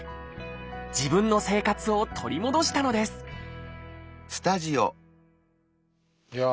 自分の生活を取り戻したのですいやあ